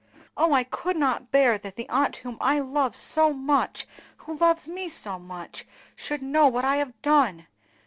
Oh, I could not bear that the aunt whom I love so much—who loves me so much—should know what I have done!